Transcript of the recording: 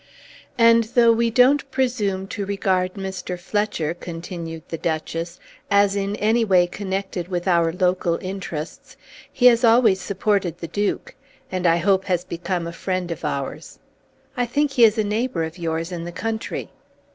"And though we don't presume to regard Mr. Fletcher," continued the Duchess, "as in any way connected with our local interests, he has always supported the Duke, and I hope has become a friend of ours. I think he is a neighbour of yours in the country."